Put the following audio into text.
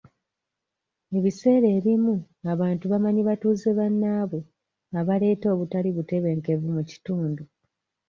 Ebiseera ebimu abantu bamanyi batuuze bannabwe abaleeta obutali butebenkevu mu kitundu.